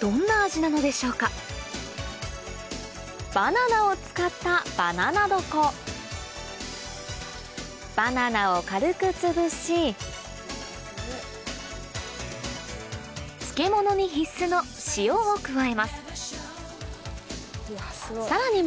どんな味なのでしょうかバナナを使ったバナナ床バナナを軽くつぶし漬物に必須の塩を加えますさらに